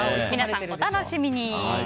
皆さんお楽しみに。